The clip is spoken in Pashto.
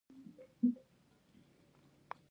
ښه او بشپړه طریقه وګوري.